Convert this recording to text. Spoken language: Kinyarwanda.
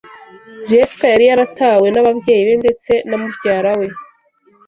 Jessica yari yaratawe n,ababyeyi be ndtse na mubyara we